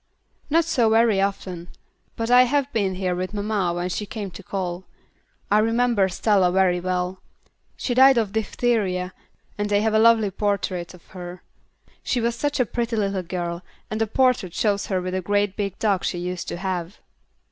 "Not so very often, but I have been here with mamma when she came to call. I remember Stella very well. She died of diphtheria, and they have a lovely portrait of her. She was such a pretty little girl, and the portrait shows her with a great big dog she used to have."